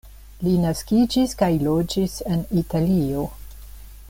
Li naskiĝis kaj loĝis en Italio.